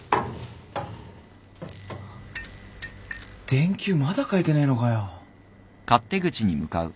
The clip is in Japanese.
電球まだ換えてねえのかよ。